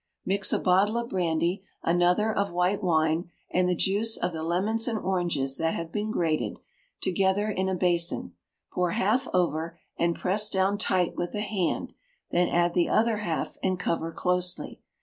Mix a bottle of brandy, another of white wine, and the juice of the lemons and oranges that have been grated, together in a basin; pour half over and press down tight with the hand, then add the other half and cover closely.